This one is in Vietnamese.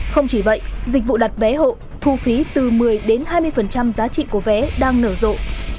không chỉ vậy dịch vụ đặt vé hộ thu phí từ một mươi đến hai mươi giá trị của vé đang nở rộ